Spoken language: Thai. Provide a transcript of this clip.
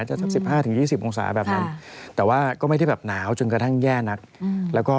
สัก๑๕๒๐องศาแบบนั้นแต่ว่าก็ไม่ได้แบบหนาวจนกระทั่งแย่นักแล้วก็